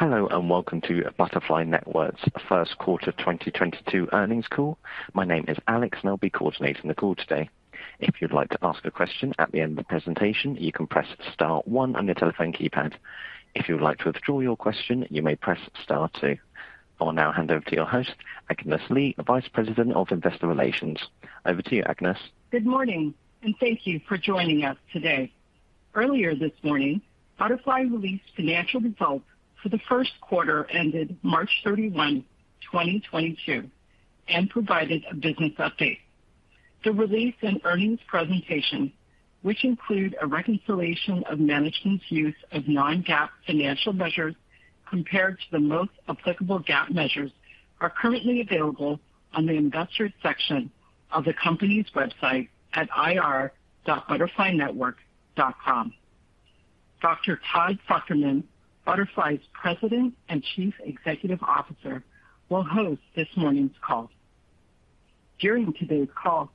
Hello, and welcome to Butterfly Network's first quarter 2022 earnings call. My name is Alex, and I'll be coordinating the call today. If you'd like to ask a question at the end of the presentation, you can press star one on your telephone keypad. If you would like to withdraw your question, you may press star two. I will now hand over to your host, Agnes Lee, the Vice President of Investor Relations. Over to you, Agnes. Good morning and thank you for joining us today. Earlier this morning, Butterfly released financial results for the first quarter ended March 31st, 2022, and provided a business update. The release and earnings presentation, which include a reconciliation of management's use of non-GAAP financial measures compared to the most applicable GAAP measures, are currently available on the investors section of the company's website at ir.butterflynetwork.com. Dr. Todd Fruchterman, Butterfly's President and Chief Executive Officer, will host this morning's call. During today's call,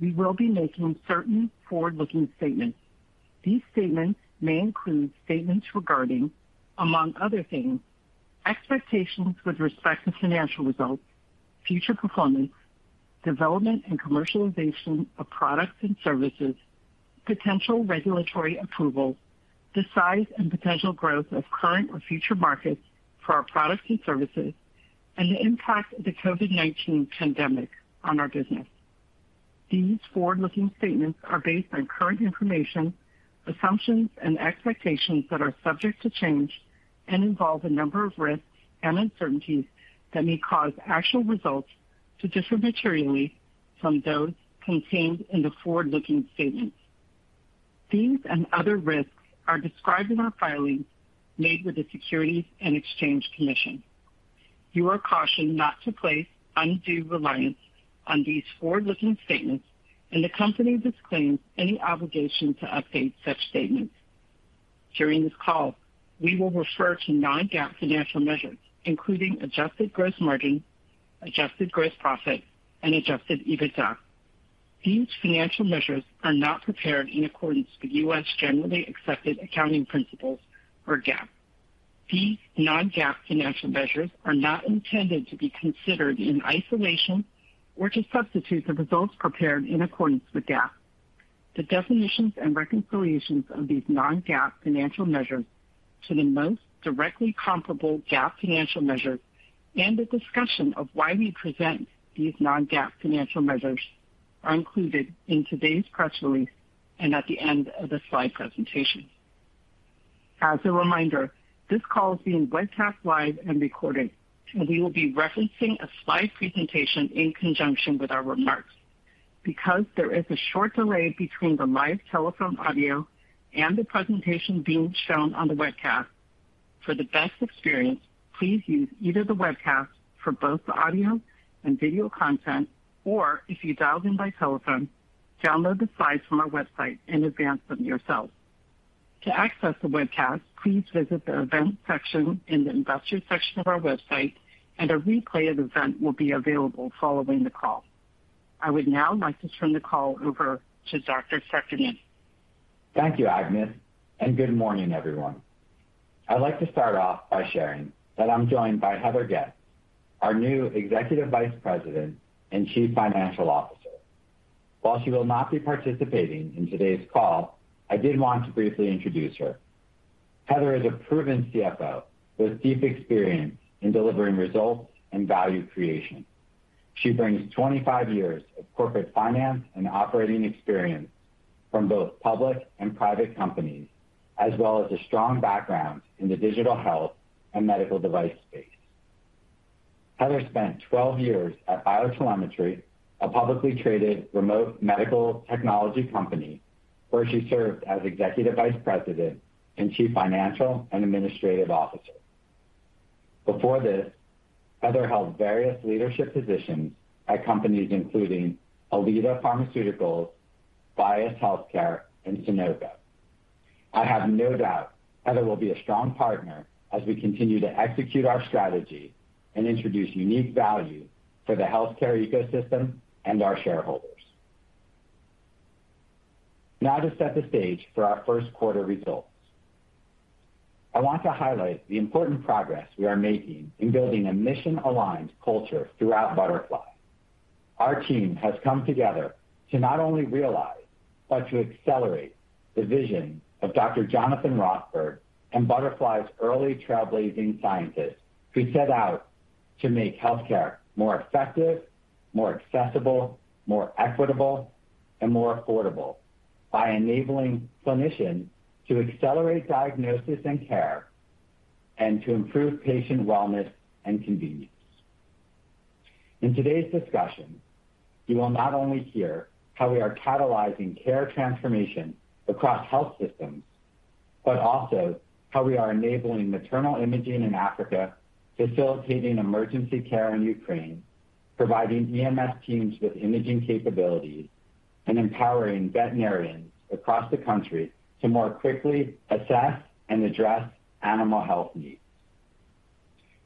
we will be making certain forward-looking statements. These statements may include statements regarding, among other things, expectations with respect to financial results, future performance, development and commercialization of products and services, potential regulatory approvals, the size and potential growth of current or future markets for our products and services, and the impact of the COVID-19 pandemic on our business. These forward-looking statements are based on current information, assumptions and expectations that are subject to change and involve a number of risks and uncertainties that may cause actual results to differ materially from those contained in the forward-looking statements. These and other risks are described in our filings made with the Securities and Exchange Commission. You are cautioned not to place undue reliance on these forward-looking statements, and the company disclaims any obligation to update such statements. During this call, we will refer to non-GAAP financial measures, including adjusted gross margin, adjusted gross profit, and adjusted EBITDA. These financial measures are not prepared in accordance with U.S. generally accepted accounting principles or GAAP. These non-GAAP financial measures are not intended to be considered in isolation or to substitute the results prepared in accordance with GAAP. The definitions and reconciliations of these non-GAAP financial measures to the most directly comparable GAAP financial measures and a discussion of why we present these non-GAAP financial measures are included in today's press release and at the end of the slide presentation. As a reminder, this call is being webcast live and recorded, and we will be referencing a slide presentation in conjunction with our remarks. Because there is a short delay between the live telephone audio and the presentation being shown on the webcast, for the best experience, please use either the webcast for both the audio and video content, or if you dialed in by telephone, download the slides from our website in advance for yourself. To access the webcast, please visit the event section in the investor section of our website, and a replay of the event will be available following the call. I would now like to turn the call over to Dr. Fruchterman. Thank you, Agnes, and good morning, everyone. I'd like to start off by sharing that I'm joined by Heather Getz, our new Executive Vice President and Chief Financial Officer. While she will not be participating in today's call, I did want to briefly introduce her. Heather is a proven CFO with deep experience in delivering results and value creation. She brings 25 years of corporate finance and operating experience from both public and private companies, as well as a strong background in the digital health and medical device space. Heather spent 12 years at BioTelemetry, a publicly traded remote medical technology company, where she served as Executive Vice President and Chief Financial and Administrative Officer. Before this, Heather held various leadership positions at companies including Alida Pharmaceuticals, Viasys Healthcare, and Sonoco. I have no doubt Heather will be a strong partner as we continue to execute our strategy and introduce unique value for the healthcare ecosystem and our shareholders. Now to set the stage for our first quarter results. I want to highlight the important progress we are making in building a mission-aligned culture throughout Butterfly. Our team has come together to not only realize, but to accelerate the vision of Dr. Jonathan Rothberg and Butterfly's early trailblazing scientists who set out to make healthcare more effective, more accessible, more equitable, and more affordable by enabling clinicians to accelerate diagnosis and care and to improve patient wellness and convenience. In today's discussion, you will not only hear how we are catalyzing care transformation across health systems, but also how we are enabling maternal imaging in Africa, facilitating emergency care in Ukraine, providing EMS teams with imaging capabilities, and empowering veterinarians across the country to more quickly assess and address animal health needs.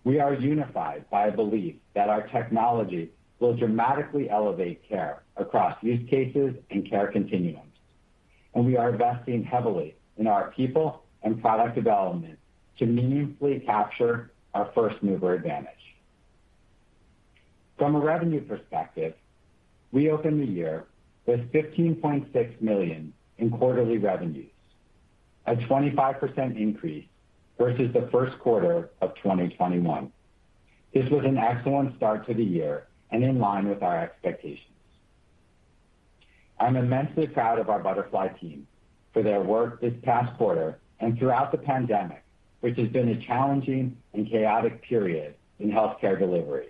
We are unified by a belief that our technology will dramatically elevate care across use cases and care continuums. We are investing heavily in our people and product development to meaningfully capture our first-mover advantage. From a revenue perspective, we opened the year with $15.6 million in quarterly revenues, a 25% increase versus the first quarter of 2021. This was an excellent start to the year and in line with our expectations. I'm immensely proud of our Butterfly team for their work this past quarter and throughout the pandemic, which has been a challenging and chaotic period in healthcare delivery.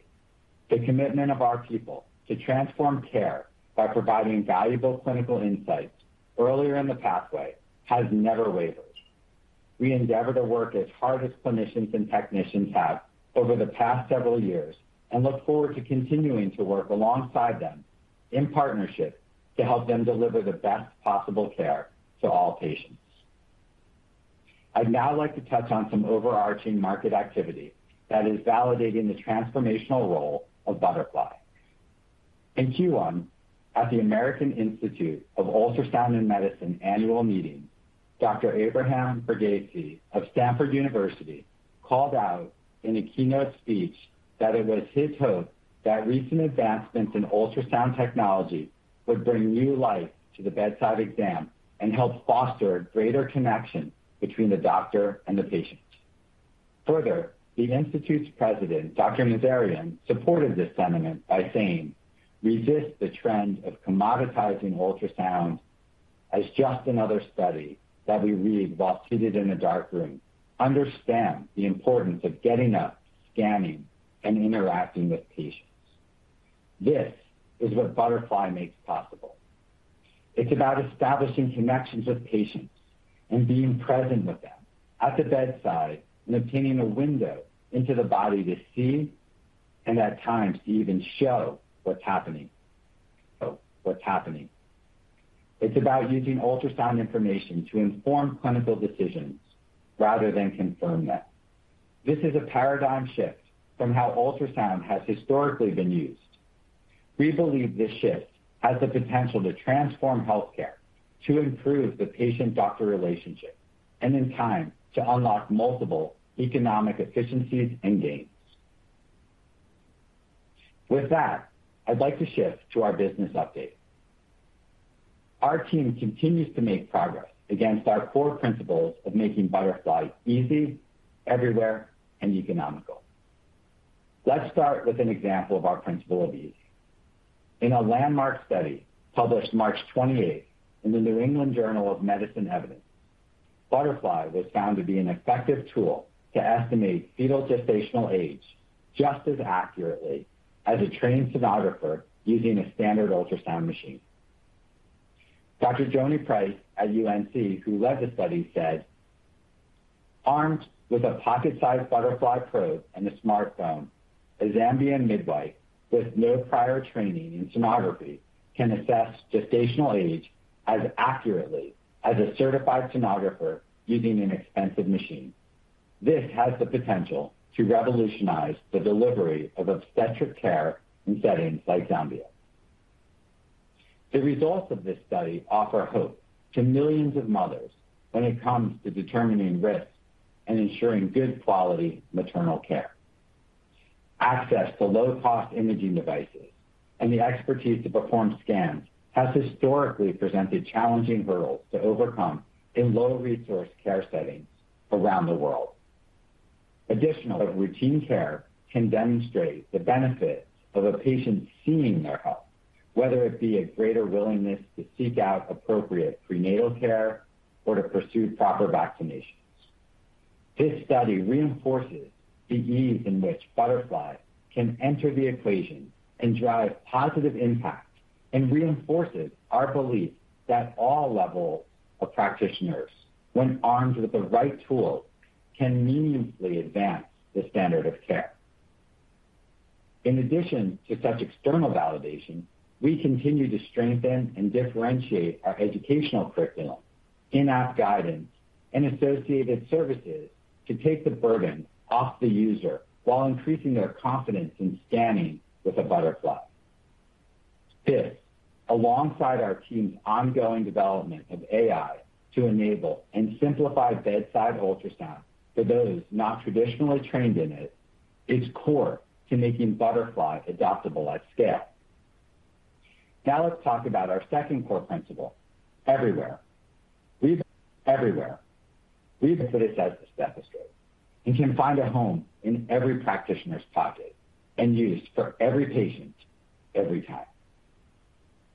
The commitment of our people to transform care by providing valuable clinical insights earlier in the pathway has never wavered. We endeavor to work as hard as clinicians and technicians have over the past several years, and look forward to continuing to work alongside them in partnership to help them deliver the best possible care to all patients. I'd now like to touch on some overarching market activity that is validating the transformational role of Butterfly. In Q1, at the American Institute of Ultrasound in Medicine annual meeting, Dr. Abraham Verghese of Stanford University called out in a keynote speech that it was his hope that recent advancements in ultrasound technology would bring new life to the bedside exam and help foster greater connection between the doctor and the patient. Further, the institute's president, Dr. Nazarian, supported this sentiment by saying, "Resist the trend of commoditizing ultrasound as just another study that we read while seated in a dark room. Understand the importance of getting up, scanning, and interacting with patients." This is what Butterfly makes possible. It's about establishing connections with patients and being present with them at the bedside and obtaining a window into the body to see and at times to even show what's happening. It's about using ultrasound information to inform clinical decisions rather than confirm them. This is a paradigm shift from how ultrasound has historically been used. We believe this shift has the potential to transform healthcare, to improve the patient-doctor relationship, and in time, to unlock multiple economic efficiencies and gains. With that, I'd like to shift to our business update. Our team continues to make progress against our core principles of making Butterfly easy, everywhere, and economical. Let's start with an example of our principle of ease. In a landmark study published March 28th in NEJM Evidence, Butterfly was found to be an effective tool to estimate fetal gestational age just as accurately as a trained sonographer using a standard ultrasound machine. Dr. Joni Price at UNC, who led the study, said, "Armed with a pocket-sized Butterfly probe and a smartphone, a Zambian midwife with no prior training in sonography can assess gestational age as accurately as a certified sonographer using an expensive machine. This has the potential to revolutionize the delivery of obstetric care in settings like Zambia. The results of this study offer hope to millions of mothers when it comes to determining risks and ensuring good quality maternal care. Access to low-cost imaging devices and the expertise to perform scans has historically presented challenging hurdles to overcome in low-resource care settings around the world. Additionally, routine care can demonstrate the benefit of a patient seeing their health, whether it be a greater willingness to seek out appropriate prenatal care or to pursue proper vaccinations. This study reinforces the ease in which Butterfly can enter the equation and drive positive impact and reinforces our belief that all levels of practitioners, when armed with the right tools, can meaningfully advance the standard of care. In addition to such external validation, we continue to strengthen and differentiate our educational curriculum, in-app guidance, and associated services to take the burden off the user while increasing their confidence in scanning with a Butterfly. This, alongside our team's ongoing development of AI to enable and simplify bedside ultrasound for those not traditionally trained in it, is core to making Butterfly adoptable at scale. Now let's talk about our second core principle, everywhere. We believe that it's as ubiquitous as the stethoscope and can find a home in every practitioner's pocket and be used for every patient, every time.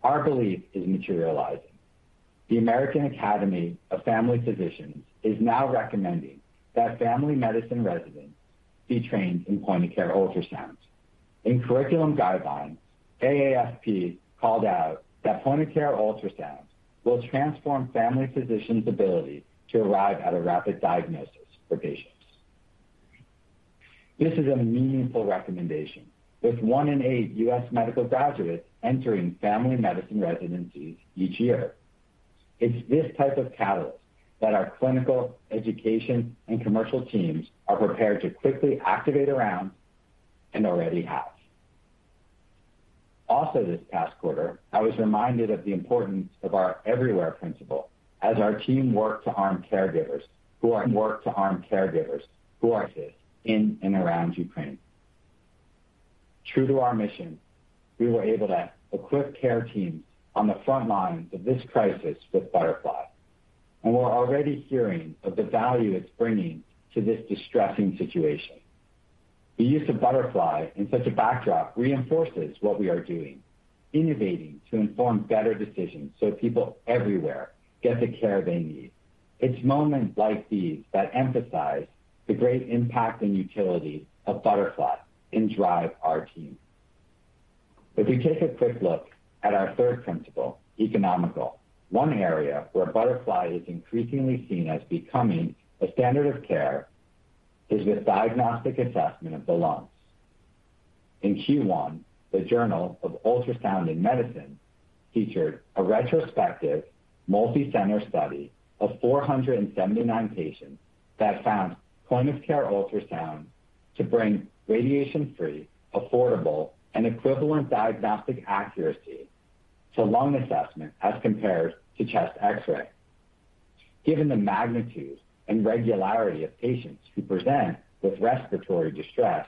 Our belief is materializing. The American Academy of Family Physicians is now recommending that family medicine residents be trained in point-of-care ultrasound. In curriculum guidelines, AAFP called out that point-of-care ultrasound will transform family physicians' ability to arrive at a rapid diagnosis for patients. This is a meaningful recommendation, with one in eight U.S. medical graduates entering family medicine residencies each year. It's this type of catalyst that our clinical, education, and commercial teams are prepared to quickly activate around and already have. Also this past quarter, I was reminded of the importance of our everywhere principle as our team worked to arm caregivers who are in and around Ukraine. True to our mission, we were able to equip care teams on the front lines of this crisis with Butterfly, and we're already hearing of the value it's bringing to this distressing situation. The use of Butterfly in such a backdrop reinforces what we are doing, innovating to inform better decisions so people everywhere get the care they need. It's moments like these that emphasize the great impact and utility of Butterfly and drive our team. If we take a quick look at our third principle, economical, one area where Butterfly is increasingly seen as becoming a standard of care is the diagnostic assessment of the lungs. In Q1, the Journal of Ultrasound in Medicine featured a retrospective multicenter study of 479 patients that found point-of-care ultrasound to bring radiation-free, affordable, and equivalent diagnostic accuracy to lung assessment as compared to chest X-ray. Given the magnitude and regularity of patients who present with respiratory distress,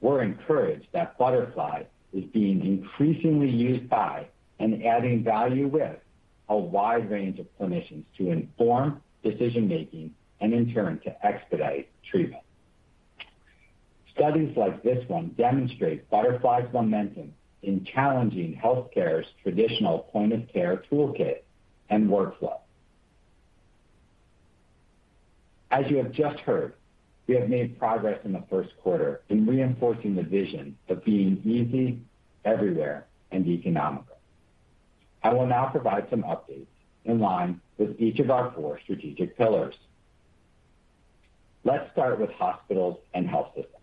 we're encouraged that Butterfly is being increasingly used by and adding value with a wide range of clinicians to inform decision-making and in turn, to expedite treatment. Studies like this one demonstrate Butterfly's momentum in challenging healthcare's traditional point-of-care toolkit and workflow. As you have just heard, we have made progress in the first quarter in reinforcing the vision of being easy, everywhere, and economical. I will now provide some updates in line with each of our four strategic pillars. Let's start with hospitals and health systems.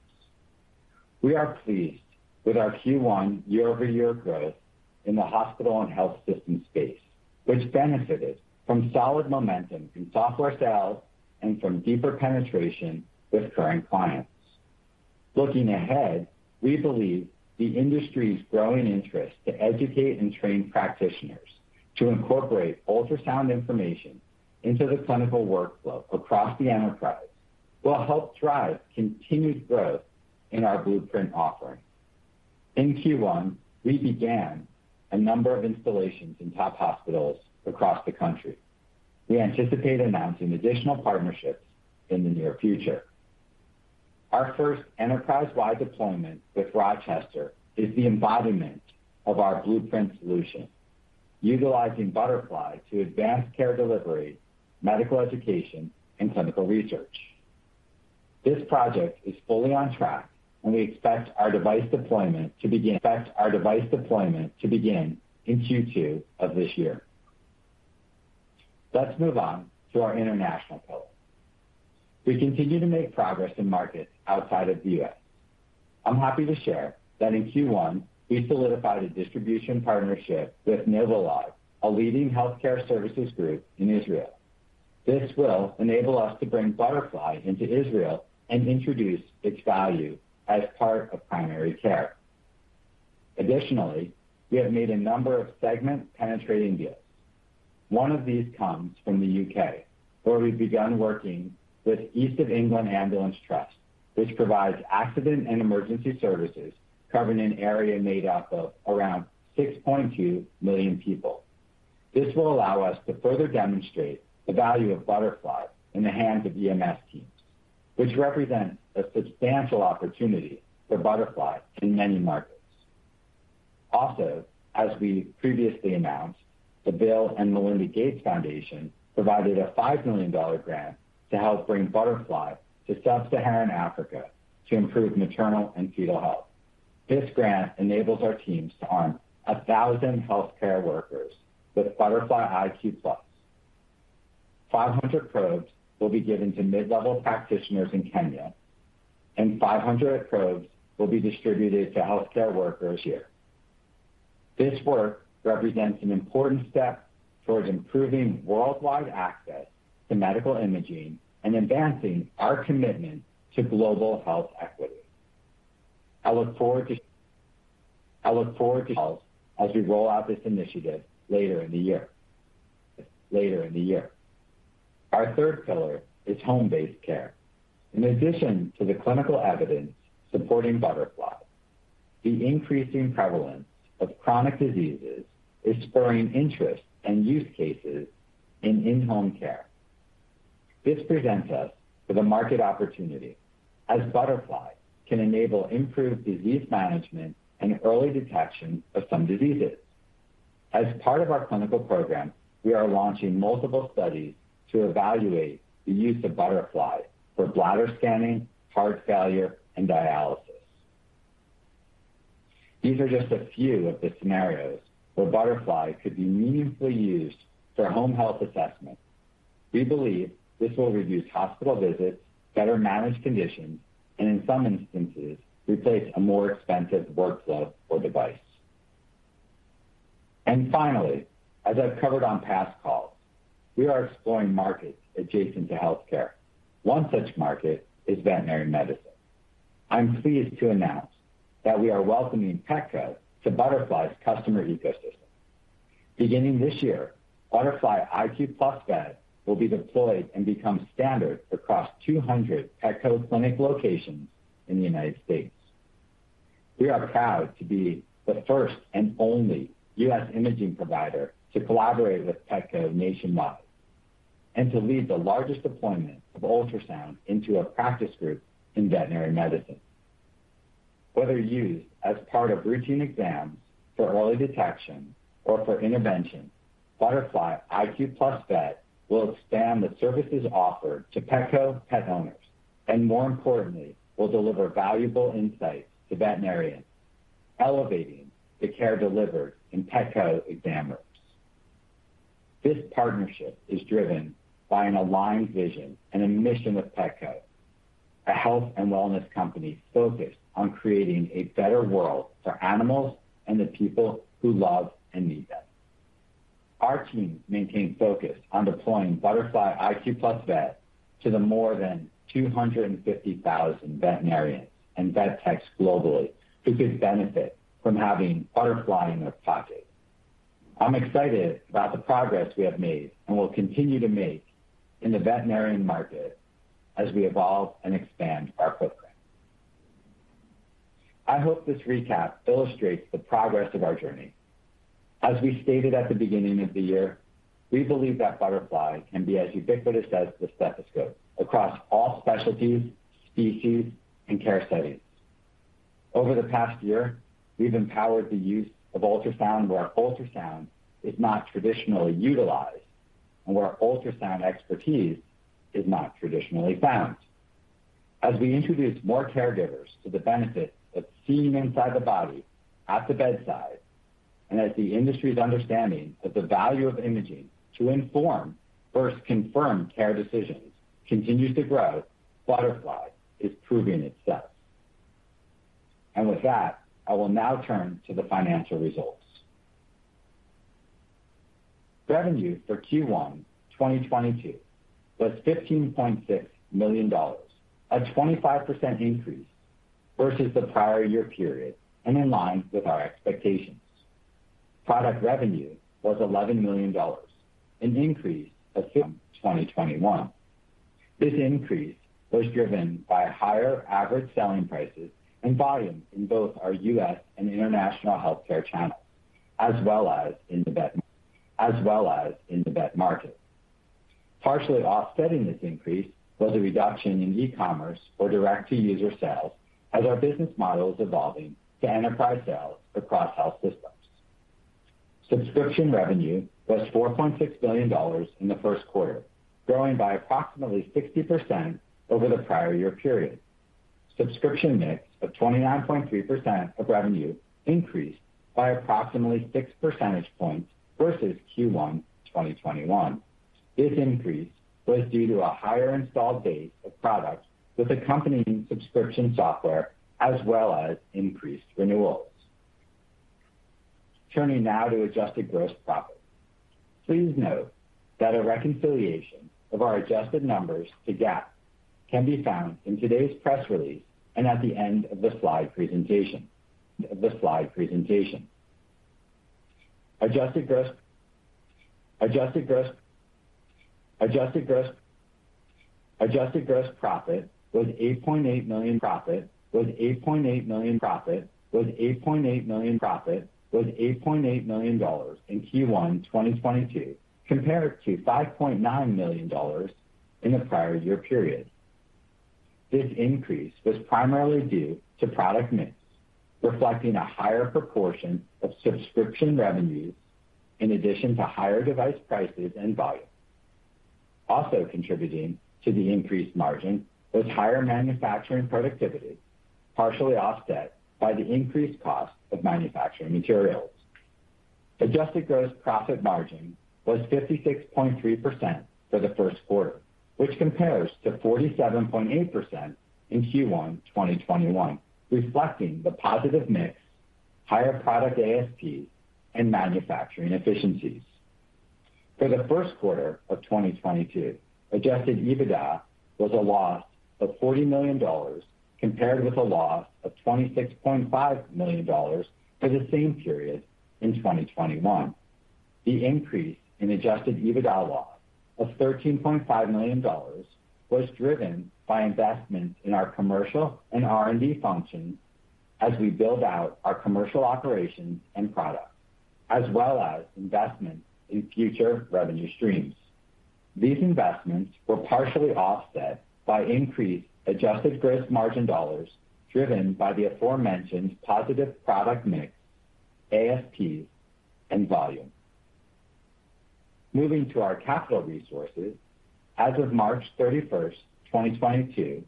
We are pleased with our Q1 year-over-year growth in the hospital and health system space, which benefited from solid momentum from software sales and from deeper penetration with current clients. Looking ahead, we believe the industry's growing interest to educate and train practitioners to incorporate ultrasound information into the clinical workflow across the enterprise will help drive continued growth in our Blueprint offering. In Q1, we began a number of installations in top hospitals across the country. We anticipate announcing additional partnerships in the near future. Our first enterprise-wide deployment with Rochester is the embodiment of our Blueprint solution, utilizing Butterfly to advance care delivery, medical education, and clinical research. This project is fully on track, and we expect our device deployment to begin in Q2 of this year. Let's move on to our international pillar. We continue to make progress in markets outside of the U.S. I'm happy to share that in Q1, we solidified a distribution partnership with Novolog, a leading healthcare services group in Israel. This will enable us to bring Butterfly into Israel and introduce its value as part of primary care. Additionally, we have made a number of segment penetrating deals. One of these comes from the U.K., where we've begun working with East of England Ambulance Service NHS Trust, which provides accident and emergency services covering an area made up of around 6.2 million people. This will allow us to further demonstrate the value of Butterfly in the hands of EMS teams, which represents a substantial opportunity for Butterfly in many markets. Also, as we previously announced, the Bill & Melinda Gates Foundation provided a $5 million grant to help bring Butterfly to Sub-Saharan Africa to improve maternal and fetal health. This grant enables our teams to arm 1,000 healthcare workers with Butterfly iQ+. 500 probes will be given to mid-level practitioners in Kenya, and 500 probes will be distributed to healthcare workers here. This work represents an important step towards improving worldwide access to medical imaging and advancing our commitment to global health equity. I look forward to as we roll out this initiative later in the year. Our third pillar is home-based care. In addition to the clinical evidence supporting Butterfly, the increasing prevalence of chronic diseases is spurring interest and use cases in in-home care. This presents us with a market opportunity as Butterfly can enable improved disease management and early detection of some diseases. As part of our clinical program, we are launching multiple studies to evaluate the use of Butterfly for bladder scanning, heart failure, and dialysis. These are just a few of the scenarios where Butterfly could be meaningfully used for home health assessment. We believe this will reduce hospital visits, better manage conditions, and in some instances, replace a more expensive workflow or device. Finally, as I've covered on past calls, we are exploring markets adjacent to healthcare. One such market is veterinary medicine. I'm pleased to announce that we are welcoming Petco to Butterfly's customer ecosystem. Beginning this year, Butterfly iQ+ Vet will be deployed and become standard across 200 Petco clinic locations in the United States. We are proud to be the first and only U.S. imaging provider to collaborate with Petco nationwide and to lead the largest deployment of ultrasound into a practice group in veterinary medicine. Whether used as part of routine exams for early detection or for intervention, Butterfly iQ+ Vet will expand the services offered to Petco pet owners, and more importantly, will deliver valuable insights to veterinarians, elevating the care delivered in Petco exam rooms. This partnership is driven by an aligned vision and a mission with Petco, a health and wellness company focused on creating a better world for animals and the people who love and need them. Our team maintained focus on deploying Butterfly iQ+ Vet to the more than 250,000 veterinarians and vet techs globally who could benefit from having Butterfly in their pocket. I'm excited about the progress we have made and will continue to make in the veterinarian market as we evolve and expand our footprint. I hope this recap illustrates the progress of our journey. As we stated at the beginning of the year, we believe that Butterfly can be as ubiquitous as the stethoscope across all specialties, species, and care settings. Over the past year, we've empowered the use of ultrasound where ultrasound is not traditionally utilized and where ultrasound expertise is not traditionally found. As we introduce more caregivers to the benefit of seeing inside the body at the bedside, and as the industry's understanding of the value of imaging to inform versus confirm care decisions continues to grow, Butterfly is proving itself. With that, I will now turn to the financial results. Revenue for Q1 2022 was $15.6 million, a 25% increase versus the prior year period and in line with our expectations. Product revenue was $11 million, a 21% increase. This increase was driven by higher average selling prices and volume in both our US and international healthcare channels, as well as in the vet market. Partially offsetting this increase was a reduction in e-commerce or direct-to-user sales as our business model is evolving to enterprise sales across health systems. Subscription revenue was $4.6 million in the first quarter, growing by approximately 60% over the prior year period. Subscription mix of 29.3% of revenue increased by approximately six percentage points versus Q1 2021. This increase was due to a higher installed base of products with accompanying subscription software, as well as increased renewals. Turning now to adjusted gross profit. Please note that a reconciliation of our adjusted numbers to GAAP can be found in today's press release and at the end of the slide presentation. Adjusted gross profit was $8.8 million in Q1 2022, compared to $5.9 million in the prior year period. This increase was primarily due to product mix, reflecting a higher proportion of subscription revenues in addition to higher device prices and volume. Also contributing to the increased margin was higher manufacturing productivity, partially offset by the increased cost of manufacturing materials. Adjusted gross profit margin was 56.3% for the first quarter, which compares to 47.8% in Q1 2021, reflecting the positive mix, higher product ASP, and manufacturing efficiencies. For the first quarter of 2022, adjusted EBITDA was a loss of $40 million, compared with a loss of $26.5 million for the same period in 2021. The increase in adjusted EBITDA loss of $13.5 million was driven by investments in our commercial and R&D functions as we build out our commercial operations and products, as well as investments in future revenue streams. These investments were partially offset by increased adjusted gross margin dollars, driven by the aforementioned positive product mix, ASPs, and volume. Moving to our capital resources. As of March 31st, 2022,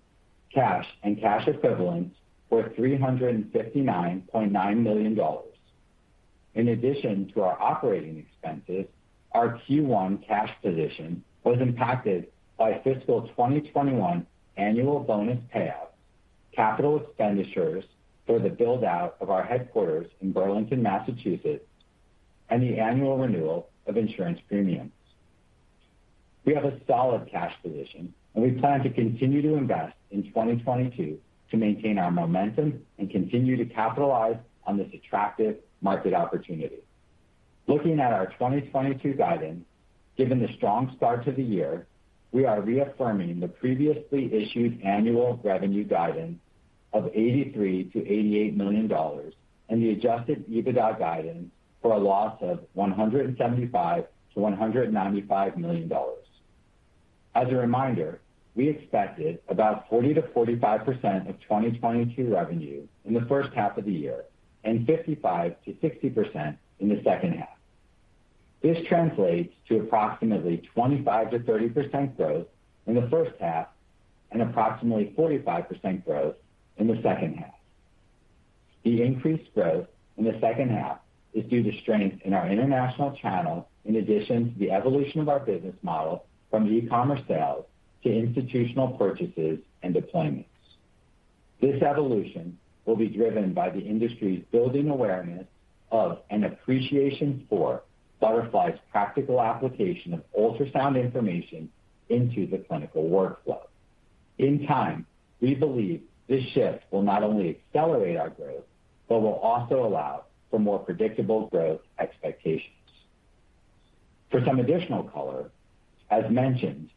cash and cash equivalents were $359.9 million. In addition to our operating expenses, our Q1 cash position was impacted by fiscal 2021 annual bonus payout. Capital expenditures for the build-out of our headquarters in Burlington, Massachusetts, and the annual renewal of insurance premiums. We have a solid cash position, and we plan to continue to invest in 2022 to maintain our momentum and continue to capitalize on this attractive market opportunity. Looking at our 2022 guidance, given the strong start to the year, we are reaffirming the previously issued annual revenue guidance of $83 million-$88 million and the adjusted EBITDA guidance for a loss of $175 million-$195 million. As a reminder, we expected about 40%-45% of 2022 revenue in the first half of the year and 55%-60% in the second half. This translates to approximately 25%-30% growth in the first half and approximately 45% growth in the second half. The increased growth in the second half is due to strength in our international channel, in addition to the evolution of our business model from e-commerce sales to institutional purchases and deployments. This evolution will be driven by the industry's building awareness of an appreciation for Butterfly's practical application of ultrasound information into the clinical workflow. In time, we believe this shift will not only accelerate our growth, but will also allow for more predictable growth expectations. For some additional color, as mentioned,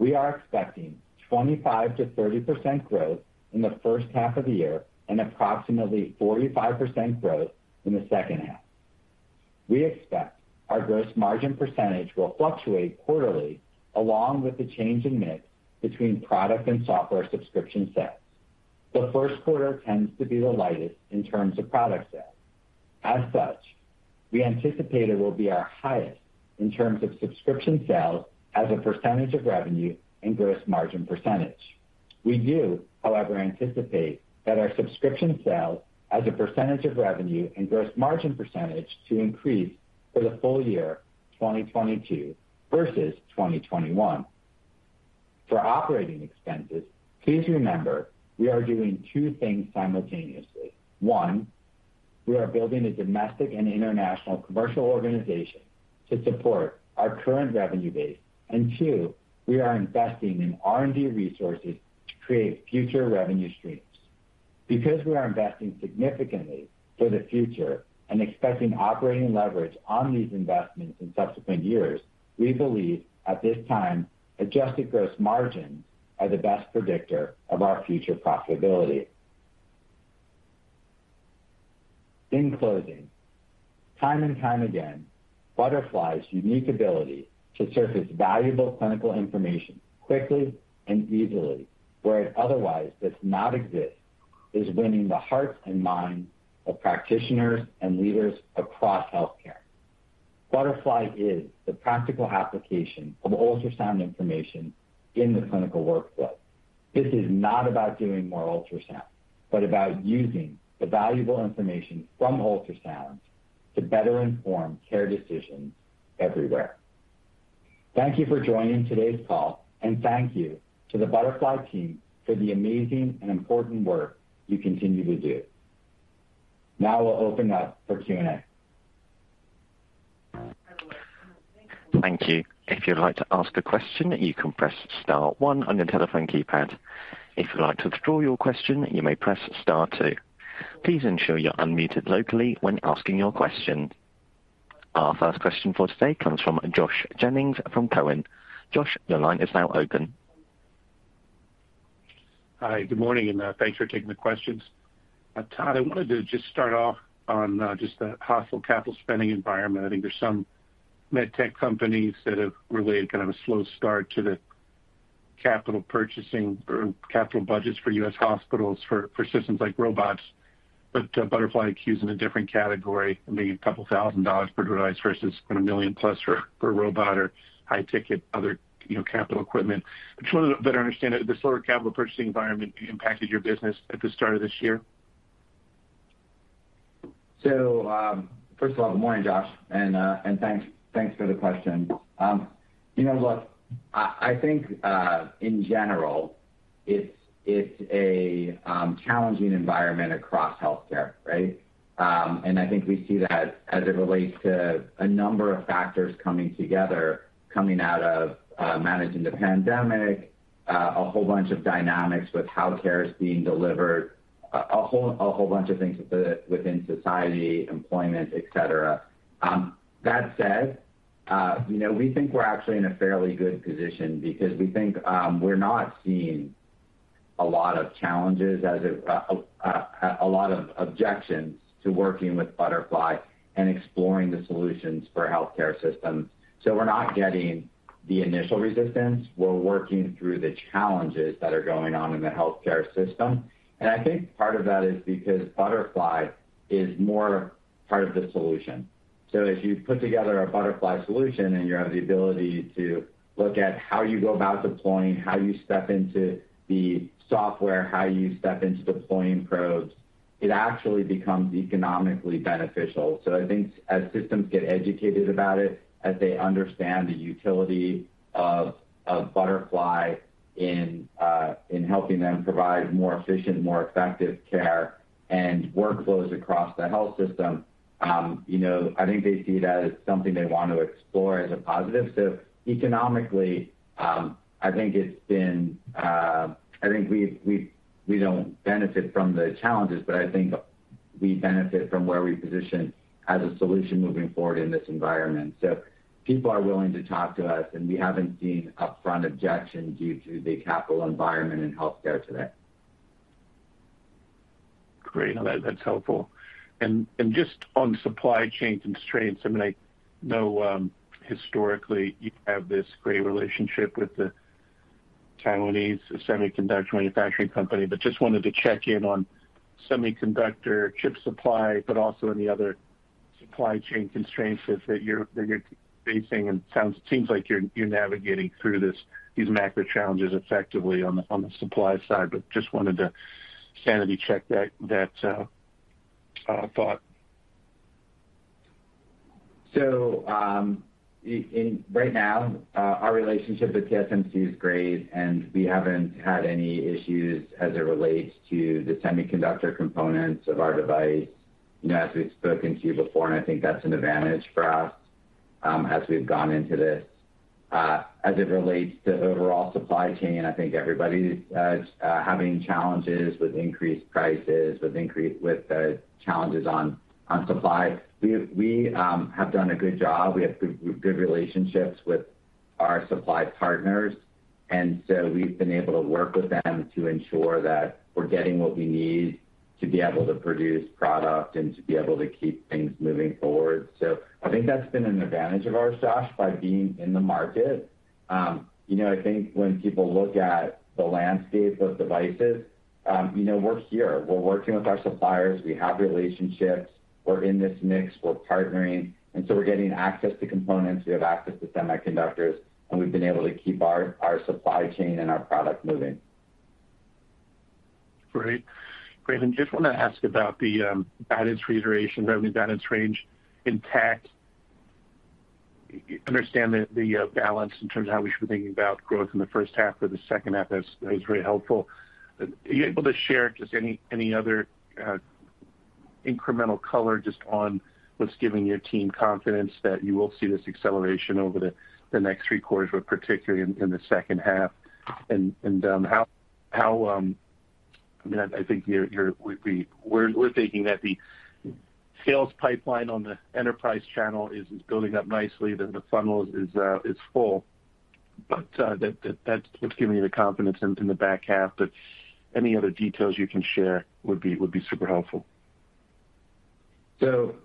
we are expecting 25%-30% growth in the first half of the year and approximately 45% growth in the second half. We expect our gross margin percentage will fluctuate quarterly along with the change in mix between product and software subscription sales. The first quarter tends to be the lightest in terms of product sales. As such, we anticipate it will be our highest in terms of subscription sales as a percentage of revenue and gross margin percentage. We do, however, anticipate that our subscription sales as a percentage of revenue and gross margin percentage to increase for the full year 2022 versus 2021. For operating expenses, please remember, we are doing two things simultaneously. One, we are building a domestic and international commercial organization to support our current revenue base. Two, we are investing in R&D resources to create future revenue streams. Because we are investing significantly for the future and expecting operating leverage on these investments in subsequent years, we believe at this time, adjusted gross margins are the best predictor of our future profitability. In closing, time and time again, Butterfly's unique ability to surface valuable clinical information quickly and easily, where it otherwise does not exist, is winning the hearts and minds of practitioners and leaders across healthcare. Butterfly is the practical application of ultrasound information in the clinical workflow. This is not about doing more ultrasound, but about using the valuable information from ultrasounds to better inform care decisions everywhere. Thank you for joining today's call, and thank you to the Butterfly team for the amazing and important work you continue to do. Now we'll open up for Q&A. Thank you. If you'd like to ask a question, you can press star one on your telephone keypad. If you'd like to withdraw your question, you may press star two. Please ensure you're unmuted locally when asking your question. Our first question for today comes from Josh Jennings from TD Cowen. Josh, your line is now open. Hi, good morning, and thanks for taking the questions. Todd, I wanted to just start off on just the hospital capital spending environment. I think there's some med tech companies that have relayed kind of a slow start to the capital purchasing or capital budgets for U.S. hospitals for systems like robots. Butterfly iQ's in a different category, I mean, $2,000 per device versus $1 million plus for a robot or high-ticket other, you know, capital equipment. I just wanted to better understand if the slower capital purchasing environment impacted your business at the start of this year. First of all, good morning, Josh, and thanks for the question. You know, look, I think in general, it's a challenging environment across healthcare, right? I think we see that as it relates to a number of factors coming together, coming out of managing the pandemic, a whole bunch of dynamics with how care is being delivered, a whole bunch of things within society, employment, et cetera. That said, you know, we think we're actually in a fairly good position because we think we're not seeing a lot of challenges, a lot of objections to working with Butterfly and exploring the solutions for healthcare systems. We're not getting the initial resistance. We're working through the challenges that are going on in the healthcare system. I think part of that is because Butterfly is more part of the solution. If you put together a Butterfly solution, and you have the ability to look at how you go about deploying, how you step into the software, how you step into deploying probes. It actually becomes economically beneficial. I think as systems get educated about it, as they understand the utility of Butterfly in helping them provide more efficient, more effective care and workflows across the health system, you know, I think they see that as something they want to explore as a positive. Economically, I think it's been, I think we don't benefit from the challenges, but I think we benefit from where we position as a solution moving forward in this environment. People are willing to talk to us, and we haven't seen upfront objections due to the capital environment in healthcare today. Great. No, that's helpful. Just on supply chain constraints, I mean, I know historically you have this great relationship with the Taiwan Semiconductor Manufacturing Company, but just wanted to check in on semiconductor chip supply, but also any other supply chain constraints that you're facing. Seems like you're navigating through these macro challenges effectively on the supply side. Just wanted to sanity check that thought. Right now, our relationship with TSMC is great, and we haven't had any issues as it relates to the semiconductor components of our device. You know, as we've spoken to you before, and I think that's an advantage for us, as we've gone into this. As it relates to overall supply chain, I think everybody is having challenges with increased prices, with challenges on supply. We have done a good job. We have good relationships with our supply partners, and so we've been able to work with them to ensure that we're getting what we need to be able to produce product and to be able to keep things moving forward. I think that's been an advantage of ours, Josh, by being in the market. You know, I think when people look at the landscape of devices, you know, we're here. We're working with our suppliers. We have relationships. We're in this mix. We're partnering, and so we're getting access to components. We have access to semiconductors, and we've been able to keep our supply chain and our product moving. Great. Just wanna ask about the guidance reiteration, revenue guidance range intact. Understand the balance in terms of how we should be thinking about growth in the first half or the second half. That's very helpful. Are you able to share just any other incremental color just on what's giving your team confidence that you will see this acceleration over the next three quarters, but particularly in the second half? I mean, I think you're -- we're thinking that the sales pipeline on the enterprise channel is building up nicely, the funnel is full. But what's giving you the confidence in the back half? Any other details you can share would be super helpful. You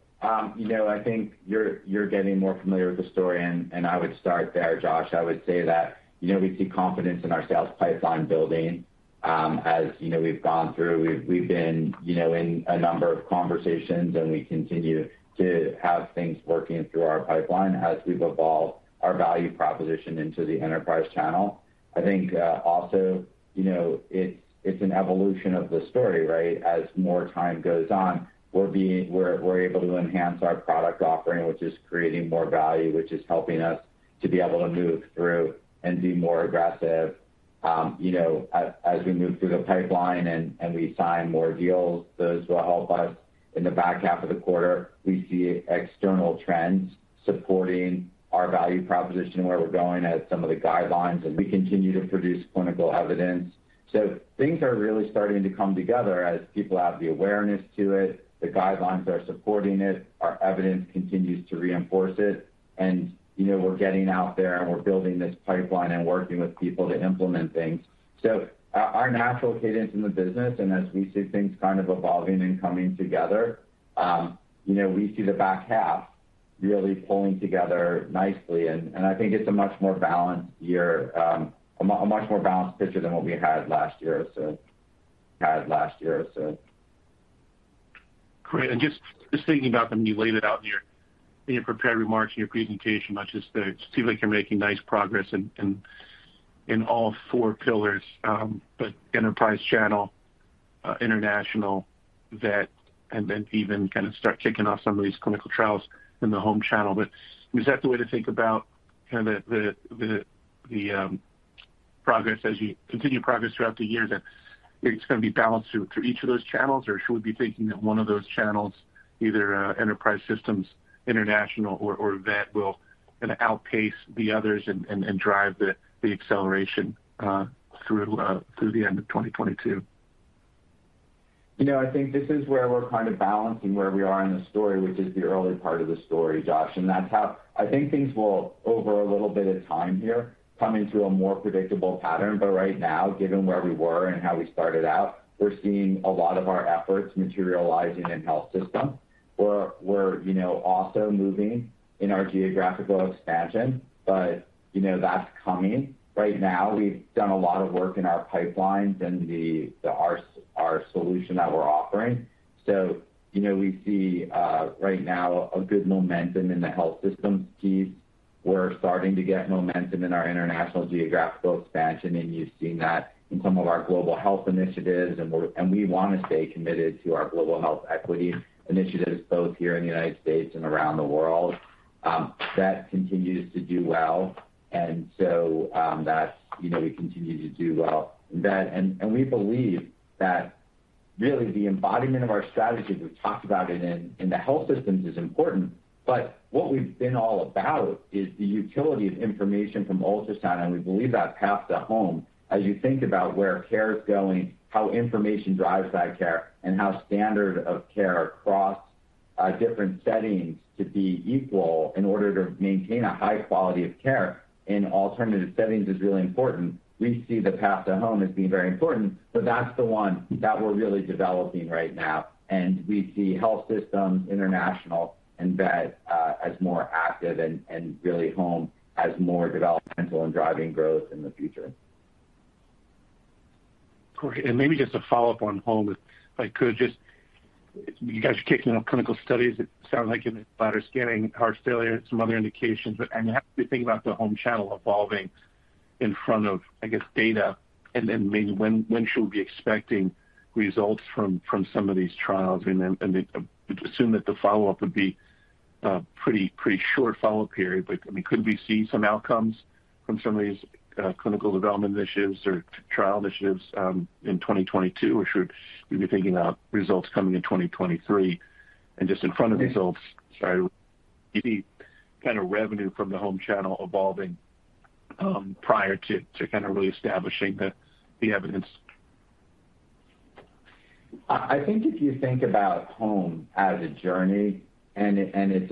know, I think you're getting more familiar with the story, and I would start there, Josh. I would say that, you know, we see confidence in our sales pipeline building. As you know, we've been in a number of conversations, and we continue to have things working through our pipeline as we've evolved our value proposition into the enterprise channel. I think also, you know, it's an evolution of the story, right? As more time goes on, we're able to enhance our product offering, which is creating more value, which is helping us to be able to move through and be more aggressive. You know, as we move through the pipeline and we sign more deals, those will help us in the back half of the quarter. We see external trends supporting our value proposition, where we're going as some of the guidelines, and we continue to produce clinical evidence. Things are really starting to come together as people have the awareness to it, the guidelines are supporting it, our evidence continues to reinforce it. You know, we're getting out there, and we're building this pipeline and working with people to implement things. Our natural cadence in the business, and as we see things kind of evolving and coming together, you know, we see the back half really pulling together nicely. I think it's a much more balanced year, a much more balanced picture than what we had last year. Great. Just thinking about them, you laid it out in your prepared remarks, in your presentation, it seems like you're making nice progress in all four pillars. Enterprise channel, international vet, and then even kind of start kicking off some of these clinical trials in the home channel. Is that the way to think about kind of the progress as you continue progress throughout the year, that it's gonna be balanced through each of those channels? Or should we be thinking that one of those channels, either enterprise systems, international or vet, will kinda outpace the others and drive the acceleration through the end of 2022? You know, I think this is where we're kind of balancing where we are in the story, which is the early part of the story, Josh. That's how I think things will, over a little bit of time here, come into a more predictable pattern. Right now, given where we were and how we started out, we're seeing a lot of our efforts materializing in health system. We're, you know, also moving in our geographical expansion, but you know, that's coming. Right now, we've done a lot of work in our pipelines and our solution that we're offering. You know, we see right now a good momentum in the health system piece. We're starting to get momentum in our international geographical expansion, and you've seen that in some of our global health initiatives. We wanna stay committed to our global health equity initiatives, both here in the United States and around the world. That continues to do well. That's, you know, we continue to do well. We believe that really the embodiment of our strategy we've talked about it in the health systems is important, but what we've been all about is the utility of information from ultrasound, and we believe that path to home. As you think about where care is going, how information drives that care, and how standard of care across different settings to be equal in order to maintain a high quality of care in alternative settings is really important. We see the path to home as being very important, so that's the one that we're really developing right now. We see health systems international and that as more active and really them as more developmental and driving growth in the future. Great. Maybe just a follow-up on home, if I could just. You guys are kicking off clinical studies. It sounds like in bladder scanning, heart failure, and some other indications. You have to be thinking about the home channel evolving in front of, I guess, data and then maybe when should we be expecting results from some of these trials? Then assume that the follow-up would be a pretty short follow-up period. I mean, could we see some outcomes from some of these clinical development initiatives or trial initiatives in 2022, or should we be thinking about results coming in 2023? Just in front of results, sorry, would you see kind of revenue from the home channel evolving prior to kind of really establishing the evidence? I think if you think about home as a journey and it's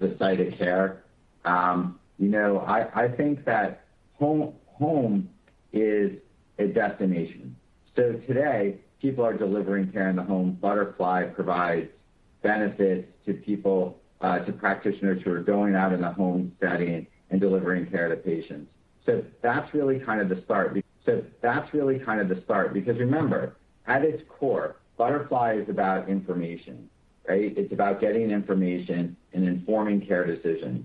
the site of care, you know, I think that home is a destination. Today, people are delivering care in the home. Butterfly provides benefits to people, to practitioners who are going out in the home setting and delivering care to patients. That's really kind of the start because remember, at its core, Butterfly is about information, right? It's about getting information and informing care decisions.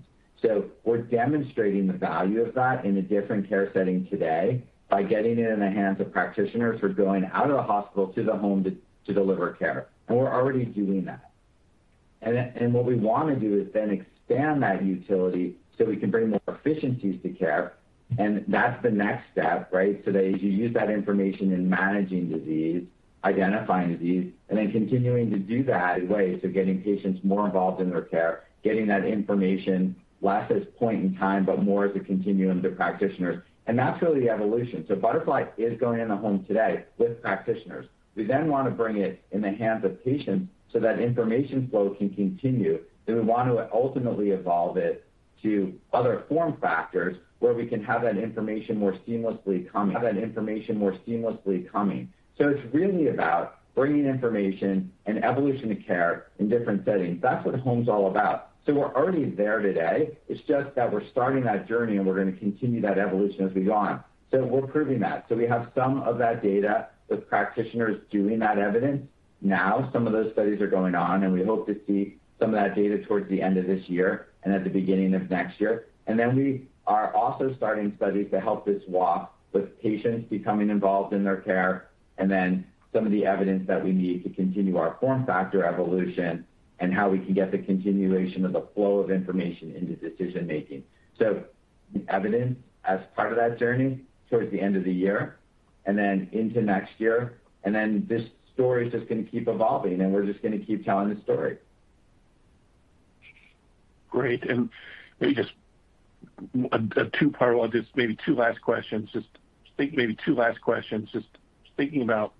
We're demonstrating the value of that in a different care setting today by getting it in the hands of practitioners who are going out of the hospital to the home to deliver care. We're already doing that. What we wanna do is then expand that utility so we can bring more efficiencies to care. That's the next step, right? That as you use that information in managing disease, identifying disease, and then continuing to do that in ways of getting patients more involved in their care, getting that information less as point in time, but more as a continuum to practitioners. That's really the evolution. Butterfly is going in the home today with practitioners. We then wanna bring it in the hands of patients so that information flow can continue, and we want to ultimately evolve it to other form factors where we can have that information more seamlessly coming. It's really about bringing information and evolution of care in different settings. That's what home's all about. We're already there today. It's just that we're starting that journey, and we're gonna continue that evolution as we go on. We're proving that. We have some of that data with practitioners doing that evidence now. Some of those studies are going on, and we hope to see some of that data towards the end of this year and at the beginning of next year. Then we are also starting studies to help this walk with patients becoming involved in their care and then some of the evidence that we need to continue our form factor evolution and how we can get the continuation of the flow of information into decision-making. The evidence as part of that journey towards the end of this year and then into next year, and then this story is just gonna keep evolving, and we're just gonna keep telling the story. Great. Maybe just a two part or just maybe two last questions. Just thinking about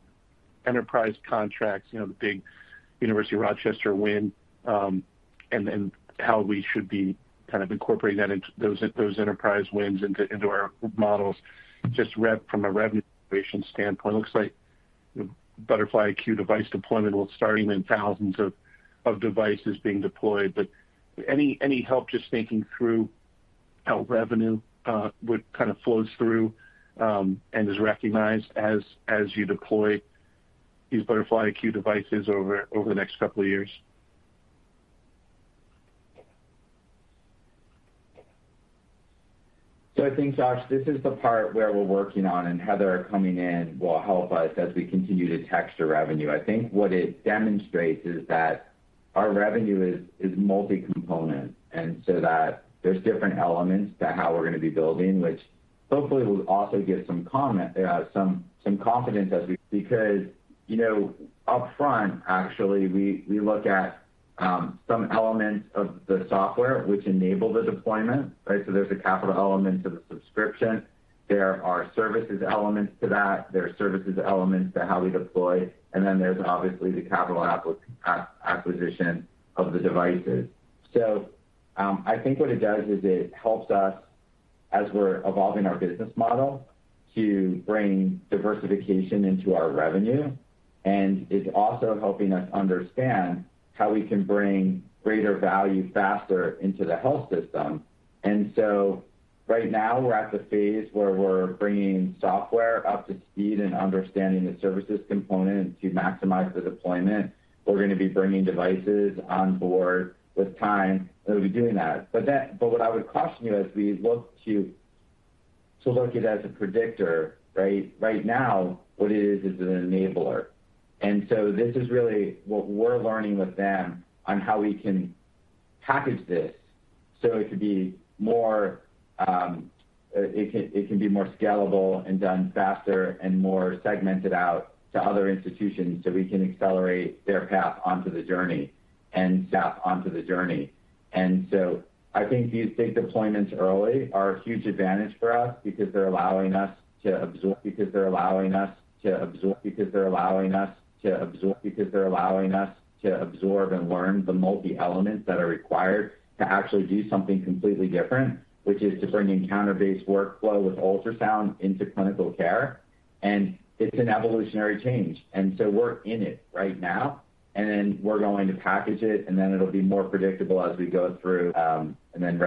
enterprise contracts, you know, the big University of Rochester win, and then how we should be kind of incorporating that into those enterprise wins into our models. From a revenue generation standpoint, it looks like Butterfly IQ device deployment will starting in thousands of devices being deployed. But any help just thinking through how revenue would kind of flows through, and is recognized as you deploy these Butterfly IQ devices over the next couple of years. I think, Josh, this is the part where we're working on, and Heather coming in will help us as we continue to texture revenue. I think what it demonstrates is that our revenue is multi-component, and that there's different elements to how we're gonna be building, which hopefully will also give some confidence as we... Because, you know, upfront, actually, we look at some elements of the software which enable the deployment, right? There's a capital element to the subscription. There are services elements to that. There are services elements to how we deploy. And then there's obviously the capital acquisition of the devices. I think what it does is it helps us, as we're evolving our business model, to bring diversification into our revenue. It's also helping us understand how we can bring greater value faster into the health system. Right now we're at the phase where we're bringing software up to speed and understanding the services component to maximize the deployment. We're gonna be bringing devices on board with time, and we'll be doing that. But what I would caution you as we look to look it as a predictor, right? Right now, what it is an enabler. This is really what we're learning with them on how we can package this so it could be more. It can be more scalable and done faster and more segmented out to other institutions, so we can accelerate their path onto the journey and staff onto the journey. I think these big deployments early are a huge advantage for us because they're allowing us to absorb and learn the multi elements that are required to actually do something completely different, which is to bring encounter-based workflow with ultrasound into clinical care. It's an evolutionary change. We're in it right now, and then we're going to package it, and then it'll be more predictable as we go through, and then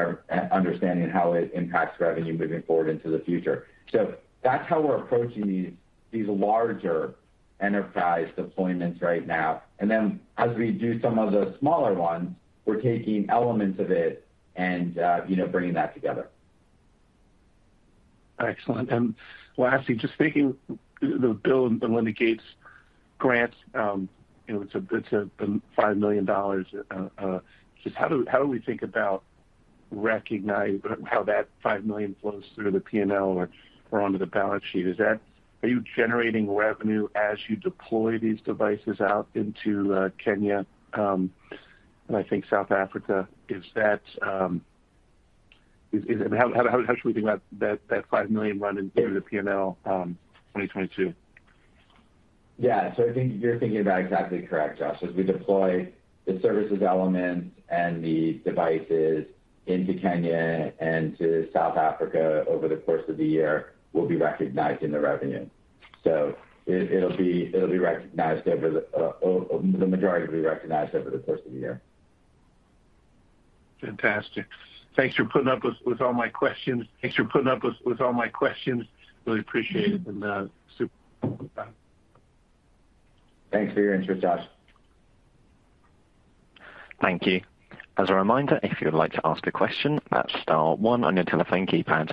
understanding how it impacts revenue moving forward into the future. That's how we're approaching these larger enterprise deployments right now. As we do some of the smaller ones, we're taking elements of it and, you know, bringing that together. Excellent. Lastly, just thinking the Bill & Melinda Gates Foundation grant, you know, it's a $5 million. Just how do we think about recognizing how that $5 million flows through the P&L or onto the balance sheet? Are you generating revenue as you deploy these devices out into Kenya and I think South Africa. How should we think about that $5 million running through the P&L, 2022? Yeah. I think you're thinking about it exactly correct, Josh. As we deploy the services elements and the devices into Kenya and to South Africa over the course of the year, we'll be recognizing the revenue. It'll be recognized over the course of the year, or the majority will be recognized over the course of the year. Fantastic. Thanks for putting up with all my questions. Really appreciate it. Super. Thanks for your interest, Josh. Thank you. As a reminder, if you would like to ask a question, press star one on your telephone keypad.